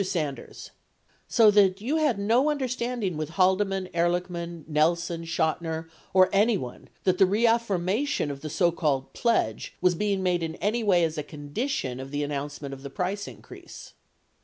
Sanders. So that you had no understanding with Haldeman, Ehrlichman, Nelson, Chotiner, or anyone that the reaffirmation of the so called pledge was being made in any way as a condition of the announcement of the price increase